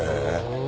うん。